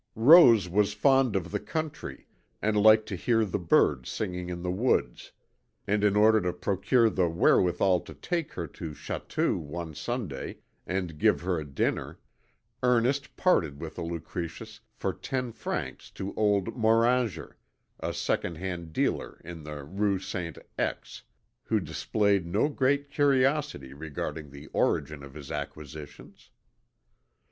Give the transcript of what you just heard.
Rose was fond of the country, and liked to hear the birds singing in the woods, and in order to procure the wherewithal to take her to Chatou one Sunday and give her a dinner, Ernest parted with the Lucretius for ten francs to old Moranger, a second hand dealer in the rue Saint X , who displayed no great curiosity regarding the origin of his acquisitions.